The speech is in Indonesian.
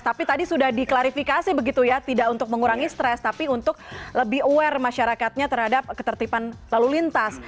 tapi tadi sudah diklarifikasi begitu ya tidak untuk mengurangi stres tapi untuk lebih aware masyarakatnya terhadap ketertiban lalu lintas